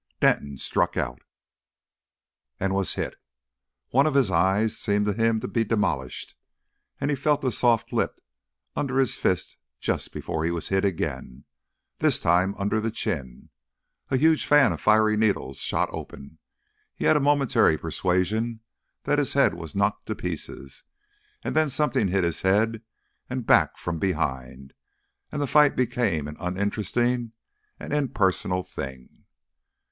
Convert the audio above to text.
Denton struck out, and was hit. One of his eyes seemed to him to be demolished, and he felt a soft lip under his fist just before he was hit again this time under the chin. A huge fan of fiery needles shot open. He had a momentary persuasion that his head was knocked to pieces, and then something hit his head and back from behind, and the fight became an uninteresting, an impersonal thing.